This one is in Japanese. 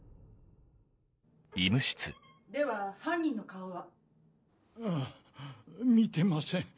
・では犯人の顔は・あぁ見てません。